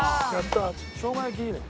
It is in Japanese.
しょうが焼きいいね。